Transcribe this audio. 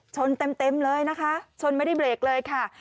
ชนเต็มเลยนะคะชนไม่ได้เบรกเลยค่ะ